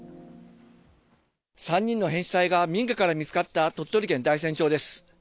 ３人の変死体が民家から見つかった鳥取県大山町です。